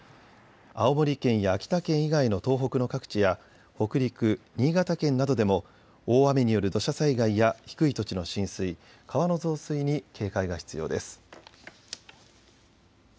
青森県や秋田県以外の東北の各地や北陸、新潟県などでも大雨による土砂災害や低い土地の浸水、川の増水に警戒が必要です。